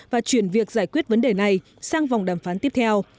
và chuyển việc giải quyết vấn đề này sang vòng đàm phán tiếp theo